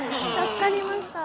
助かりました。